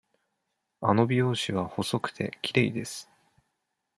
あの美容師は細くて、きれいです。